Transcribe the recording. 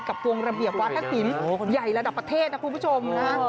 กับวงระเบียบวาธศิลป์ใหญ่ระดับประเทศนะคุณผู้ชมนะ